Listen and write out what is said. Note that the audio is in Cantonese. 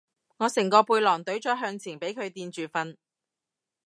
我成個背囊隊咗向前俾佢墊住瞓